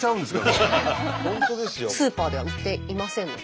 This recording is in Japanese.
スーパーでは売っていませんので。